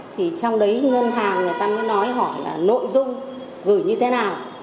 thì trong đấy ngân hàng người ta mới nói hỏi là nội dung gửi như thế nào